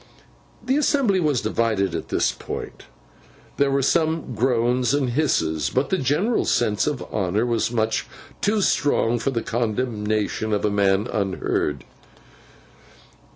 The assembly was divided at this point. There were some groans and hisses, but the general sense of honour was much too strong for the condemnation of a man unheard.